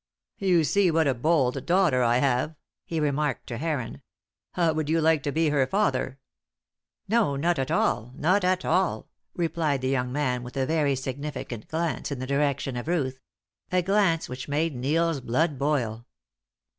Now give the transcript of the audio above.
"You see what a bold daughter I have," he remarked to Heron. "How would you like to be her father?" "Not at all, not at all," replied the young man with a very significant glance in the direction of Ruth a glance which made Neil's blood boil.